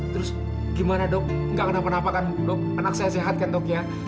terus gimana dok nggak kenapa napa kan dok anak saya sehat kan dok ya